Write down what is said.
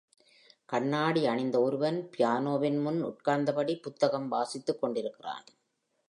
கண்ணாடி அணிந்த ஒருவன் பியானோவின் முன் உட்கார்ந்தபடி, புத்தகம் வாசித்துக் கொண்டிருக்கிறான்.